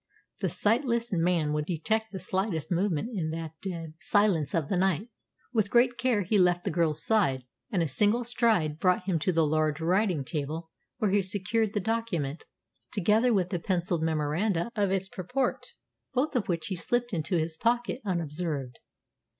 The sightless man would detect the slightest movement in that dead silence of the night. With great care he left the girl's side, and a single stride brought him to the large writing table, where he secured the document, together with the pencilled memoranda of its purport, both of which he slipped into his pocket unobserved.